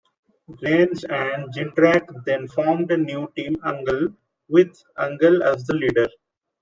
Reigns and Jindrak then formed a new Team Angle with Angle as the leader.